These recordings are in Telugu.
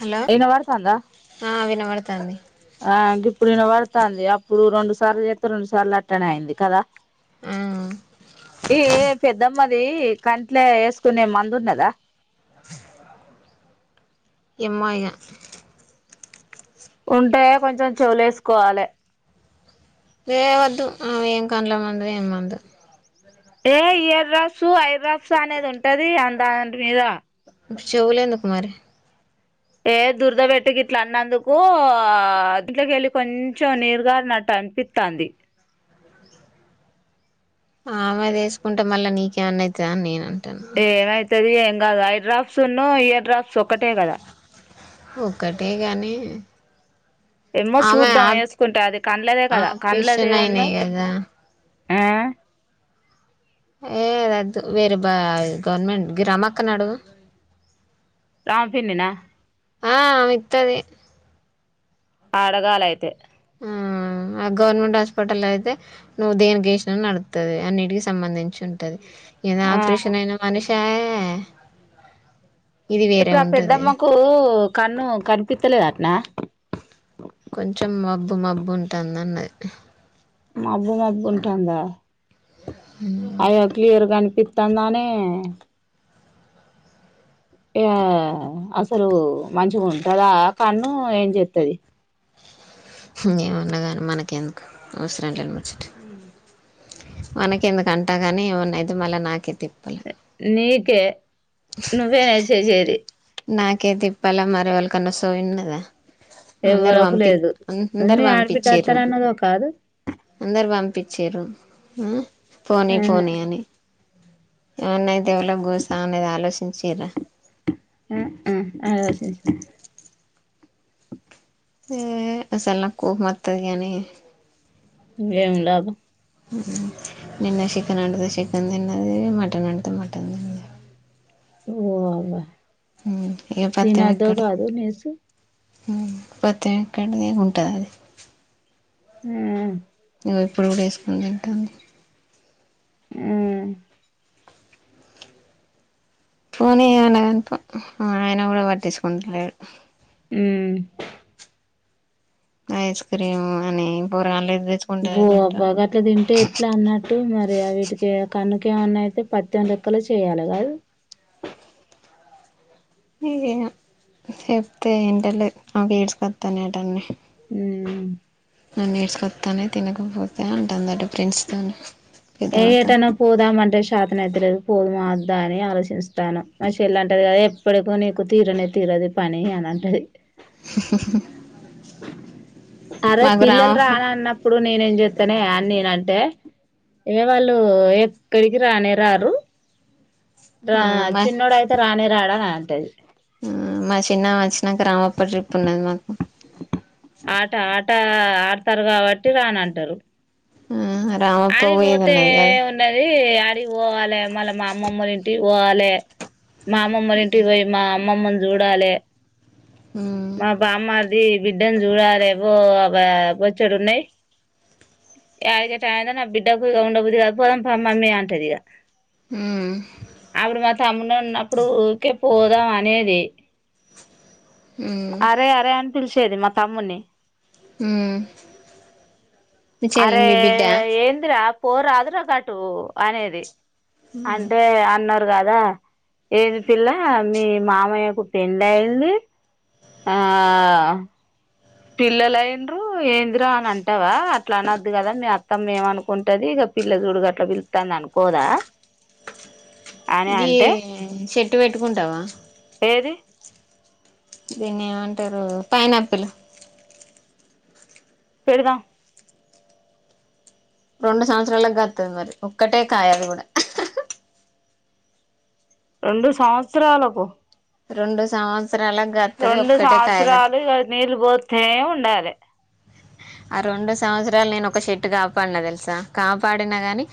హలో ఇనబడుతాందా హ వినవడ్ తంది ఆ గిప్పుడు వినవడుతాంది అప్పుడు రెండు సార్లు చెత్తే రెండు సార్లు అట్టనే అయింది కదా ఆ ఏ పెద్దమ్ మది కంట్లే ఏసుకునే మందు ఉన్నదా ఎమ్మే ఇగ ఉంటే కొంచెం చెవుల ఏసుకోవాలే ఏ వద్దు ఆ ఏం కన్ల మందు ఏం మందో ఏ ఇయర్ డ్రాప్స్ ఐ డ్రాప్స్ అనేది ఉంటది అ దాంటి మీద చెవులేందుకు మరి ఏ దురదవెట్టి గిట్లా అన్నందుకు ఆ దింట్ల కేళ్ళి కొంచెం నీరుగారినట్టు అనిపిత్తంది ఆమెదేసుకుంటే మళ్ళా నీకేమన్నా అయితదను నేనను ఏమయితది ఇంకా గా ఐ డ్రాఫ్స్ ఉన్ను ఇయర్ డ్రాప్స్ ఒకటే కదా ఒక్కటే గాని ఎమ్మే ఆమె సుద్దాం ఆ ఏసుకుంటే అది కండ్లదే కదా ఆపరేషన్ కండ్లదివున్ను అయినాయి కదా ఏదద్దు వేరే బ గవర్నమెంట్ గి రామక్క నడుగు ఆ పిన్నీనా ఆ మిత్తది ఆడగాలే అయితే ఆ గవర్నమెంట్ హాస్పిటల్ అయితే నువ్వు దేనికేసిన నడుతది అన్నిటికి సంబంధించి ఉంటది ఇయన ఆ ఆప్రేషన్ అయిన మనీషాయే మే ఇప్పుడు ఆ పెద్దమ్మకు కన్ను కను పిత్తలేదటనా కొంచెం మబ్బు మబ్బు ఉంటంది అన్నది మబ్బు మబ్బు ఉంటాందా అయో క్లియర్ కనిపిత్ తందనే ఇగ అసలు మంచి గుంటదా కన్ను ఏం చెతది హు ఏమన్నగానీ మనకేందుకు అవసరం లేనీ ము హు మనకేందుకు అంటగని ఏమనైతే మళ్ళ నాకే తిప్ నీకే నువ్వేనాయే చేసేది నాకే తిప్పల మారేవలకన్న సోయి ఉన్నదా ఎవ్వలకు లేదు మీ అడ్బిడ్డ పంపించిర్రు అత్తనన్నదో కాదు అచ్చిరు పోనీ ఆహా పోనీ అని ఎమన్నాయితే ఎవరో గసా అనేది ఆలోచించరా ఆ ఆ ఏ అసలు నాకు కోపం మత్తది కానీ ఏం లాభం నిన్న చికెన్ వండితే చికెన్ తిన్నది మటన్ వండితే మటన్ తిన్నది ఓ వా ఇక తిన ద కాదు నిసు ప్రతి కంటదికు ఉంటుంది అది హ్మ్మ్ ఇప్పుడు కూడా వేసుకుొని తింటుంది హ్మ్మ్ పోనీ అన కనుప ఆయన కూడా పట్టించుకుంటలేడు హ్మ్మ్ ఐస్ క్రీమ్ అని పొరగాళ్ళని అబ్బా అట్లా తింటే ఎట్లా అన్నట్టు మరి వీటికి కన్ను ఏమన్నా అయితే పత్ె లెక్కలు చేయ్యాలి కదు ఇక చెప్తే ఏంటలో నా గడ్స్ కత్తానేటన్ని ఉమ్ నన్ను నేర్స్కొస్తానే తినకపోతే అంటుందట ఫ్రెండ్స్ తో ఏ ఏటనా పోదామనిపిస్తుంది శతన ఎతలేదు పోదు మాద్దా అని ఆలోచిస్తాను మా చెల్లె అంటది కదా ఎప్పటికి నీకు తీరనే తీరదు పని అని అంటది అరే మాకు పిల్లలు రామప్ప రాాల అన్నప్పుడు నేనే ఏం చెతానే అ నేన అంటే ఇవ వాళ్ళు ఎక్కడికి రానే రారు రా ఆ మా చిన్నోడుయితే రాణే రాడా ఆ అంటది ఆ మా చిన్నామె వచ్చినాక రామప్ప ట్రిప్ ఉన్నది మాకు ఆట ఆట ఆడతారు కాబట్టి రాని అంటారు ఆ రామప్ప పోయేది ఆడిపోతే ఉన్నది కాదు ఉన్నది ఆడి పోవాలి మళ్ళ మా అమ్మమ్మలు ఇంటి పోవాలి మామమ్మరింటి పోయయి మా అమ్మమ్మ చూడాలే మ్మ్ మా బామ్మది ఎద్ద చూడాల ఎవో అ పోచ్చడు ఉన్నాయి ఎడిగ ట నా బిడ్డకు ఉండబద్ కాకపోదం పోదాం పా మమ్మీ అంటదిక మ్మ్ ఆడు మా తమ్ముడు ఉన్నప్పుడు ఊరికే పోదాం అనేది మ్మ్ అరే అరే అనిపిిల్ సే మా తమ్మునే ఉ అరే ఏందిరా అప్ పో రాదు రా గటు అనేది అంటే అన్నర్ రాదా ఏది పిల్ల మీ మామయ్య కు పెళ్లి అయింది ఆ పిల్లలు అయ్యిండ్రు ఏంది రా అని అంటావా అట్లా అనద్దు కదా మీ అత్తమ్మ ఏమనుకుంటాది ఇగ పిల్ల చూడు గట్లా పిలుతాంది అనుకోదా అని దీ అంటే చేట్ ఇట్టు పెట్టుకుంటావా ఏది దీన్ని ఏమంటారు పైనాపిల్ పెడుదాం రెండు సంవత్సరాలకు గాత్తది మరి ఒక్కటే కాయ అది కూడా రెండు సంవత్సరాల పో రెండు సంవత్స రెండు సంవత్సరాలు ఇగ నీళ్ళ పోతే ఉన్ టాలే ఆ రెండు సంవత్సరాలు నేను ఒక షేట్టు కాపాడినా తెలుసా కాపాడినా గాని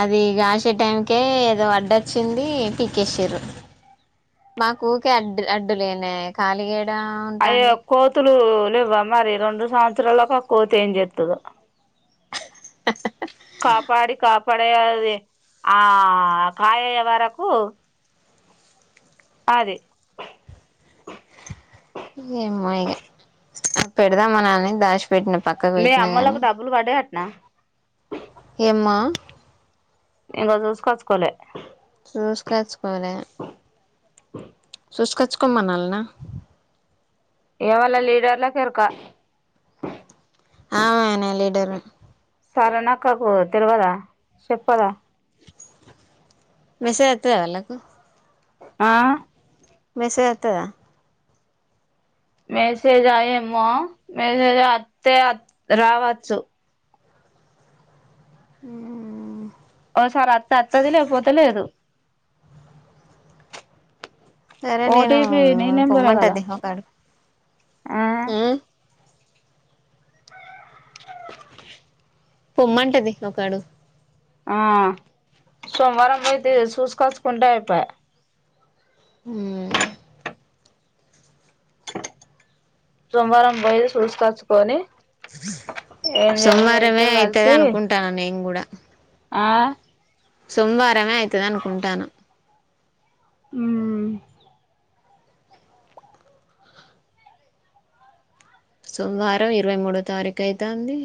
అది గాసే టైంకే ఏదో అడ్డు వచ్చింది పీకేసిర్రు మాకు ఊకే అడ్డు అడ్డులేనే కాలిగ ఏడ్ అయ్యో కోతులు లేవ్వ మరి రెండు సంవత్సరాలు కో కోతి ఏం జేతదో కాపాడి కాప్ పడేఅది ఆ కాయ వరకు అదే ఎమ్మో ఇగ పెడదామ్ అనని దాషు మీ ఆమ్మో లకు డబ్బులు వడ్డాయాట్ నా ఏమ్మా ఇంగ చూసుకచ్చుకోలే చూసుకచ్చుకోలే ఆ చూసుకచ్చుకోమన్ అల్ నా ఎవాల్ల లీడర్ లకు ఎరుక ఆమె నే లీడర్ తరా నక్క కు తెలువదా చెప్పదా మెసేజ్ వత్తాద వాళ్ళకు ఆ మెసేజ్ అత్తదా మెసేజ్ జా ఏమ్మో మెసేజ్ అతే రావచ్చు ఉ ఓ సారి అతే అత్తది లేకపోతే లేదు సరే నేను ఓటీపీ నీ నెంబరే కదా పొమ్మంటది ఒక అడుగు ఆ ఉ పొమ్మంటది ఒకడు ఆ సోమ్ వారం అయితే చూసు కొచ్చుకుంటే అయ్ పాయ అ సోమవారం బయేది చూసుకచ్చుకొని సోమవారమే ఇద్దరు అయితది కలిసి అనుకుంటన్న నేను గుడా అ ఆ సోమ్ వార్ రమే అయితది అనుకుంటాను ఉమ్ సోమవారం ఇరవై మూడో తారీఖు అయితాంది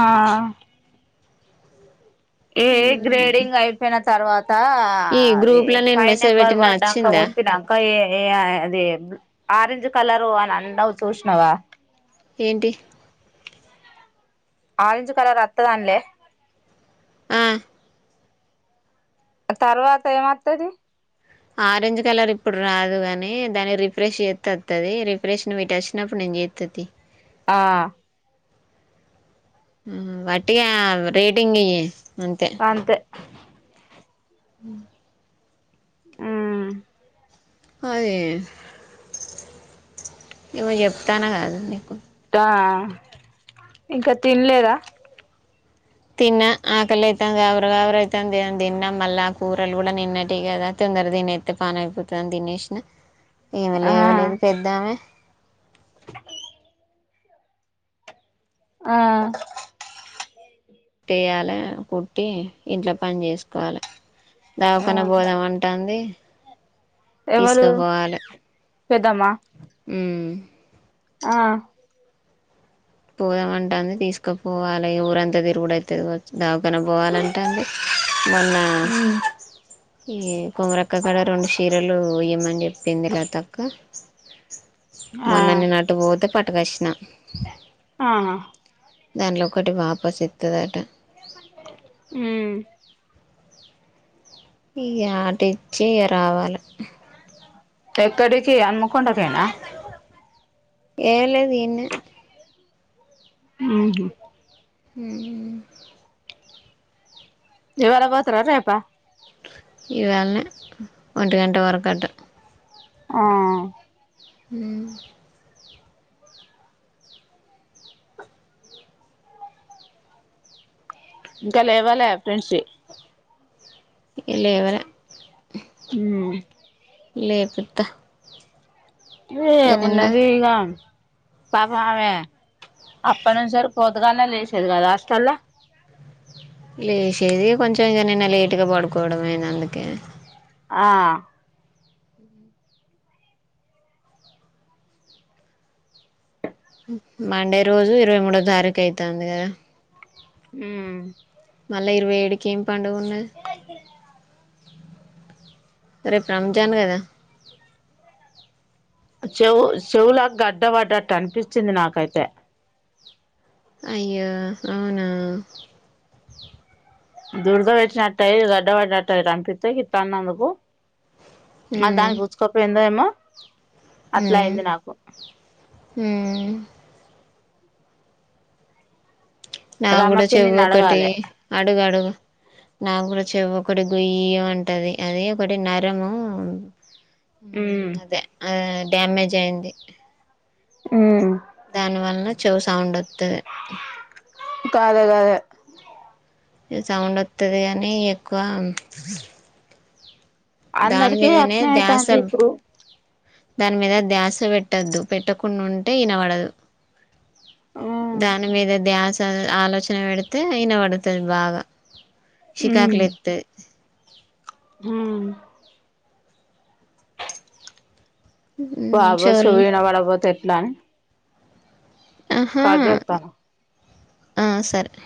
ఆ ఏ గ్రేడింగ్ అయిపోన తర్వాత్ తా ఈ అదే గ్రూప్ లో నేను ఫైవ్ మెసేజ్ నెంబర్ పెట్టిన వడ్డాక వచ్చిందా ఓత్తినాంకా ఏ ఏ అది ఆరెంజ్ కలరు అని అండవ్ చూసినావా ఏంటి ఆరెంజ్ కలరు అత్తదాన్ లే ఆ ఆ తర్వాత ఏమొత్తది ఆరెంజ్ కలర్ ఇప్పుడు రాదు గాని దాని రిఫ్రెష్ చేత్తే అత్తది రిఫ్రెష్ [unintelligible] వచ్చినప్పుడు నేను చేయిత్తా తీ ఆ ఉ వాటి ఆ రేటింగే ఇస్ అంతే ఉ ఊ అయ్యెయ్యో ఏమో చొప్తాన్నా కాద నీకు ఆ ఇంకా తిన్నేద తిన్నా ఆకలి అయితాంది గావర గావర అయితాంది అని తిన్నా మళ్ళా ఆ కూరలు గూడా నిన్నటివి కదా తొందర తినేత్తే పని అయిపోతదని తినేసిన ఈమే ఆ లేవలేదె పెద్దామే ఆ కుట్టేయాల కుట్టి ఇంట్లో పని చేసుకోవాల ఆ దావకన్న బోదాం అంటాంది ఎవరు పెద్దామా ఊ ఆ పోదామంటాంది తీసుకుపోవాలే ఊరంతా తిరుగుడు అయితాది వచ్చి దావకనా పోవాలంటాంది మొన్నా ఉమ్ ఈ కొంగరక్క క్కాడ రెండు చీరలు ఇయ్యమని చెప్పింది లతక్క ఆ మొన్న నేను అటు బోతే పట్ ప్రశ్న [unintelligible] ఆ దాంట్లో ఒక్కటి వాపస్ ఇత్తదట. మ్ ఈ ఆటిచ్చి రావాల. ఎక్కడకి అమ్ముకుండపొయినా? ఏ లేద్ ఏన్నే మ్ హు ఉమ్ ఇవాళ పోతార రేపా? ఇవేళ్నే ఒంటి గంట వరకు అంట ఆ మ్ ఇంకా లేవాలె ఫ్రెండ్షి ఇ లేవరే మ్ లేపుథ ఏమున్నది ఇగా? పాపం ఆమే అప్పట్నుంచి సరి పోదుగాల్నే లేసేది కదా హాస్టల్లా లేసేది కొంచెం ఇంక నిన్న లేటుగా పడుకోవడమైనందుకే ఆ మండే రోజు ఇరవై మూడో తారీఖు అయితాంది కదా! మ్ మళ్ళా ఇరవై ఏడుకిం పండుగున్నది. రేపు రంజాన్ కదా? చెవు చెవులా గడ్డ పడ్డట్టు అనిపిచ్చింది నాకైతే అయ్యో అవునా? దుర్ద వచ్చినట్టాయి గడ్డ పడ్డట్టు రంపిత్తయ్ తన్నందుకు మరి దాని కుచ్చుకో పొయిందేమో? మ్ మ్ నా రమ కూడ చెవ్వు పిన్నిని ఒకటి అడగాలే అడుగు అడుగు నాకూడా చెవ్వొకటి గుయ్య్ మంటది అద ఒకటి నరము మ్ ఉమ్ గదే అదే డామేజ్ అయింది మ్ దాని వల్న చెవు సౌండ్ ఒత్తది కాదు అదే అదే సౌండ్ వత్తది అనీ ఎక్కువ దాని అందరికి మీదనే అట్నే ధ్యాస అయితంది ఇప్పుడు దాని మీద ధ్యాస పెట్టొద్దు పెట్టకుంటే ఇనబడదు ఉమ్ దాని మీద ధ్యాస ద ఆలోచన పెడితే ఇన పడుతది బాగా శికకులైతది హ వావ్ చెవులు ఈనబడపోతే ఎట్లా ఆహా కట్ చేత్తన్న ఆ సరే